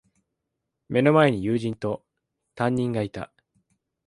目の前に友人と、担任がいた。